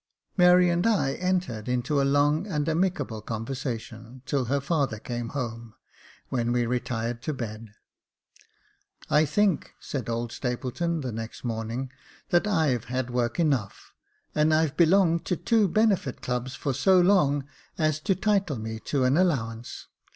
Mary and I entered into a long and amicable conversa tion, till her father came home, when we retired to bed. " I think," said old Stapleton, the next morning, " that I've had work enough ; and I've belonged to two benefit clubs for so long as to 'title me to an allowance.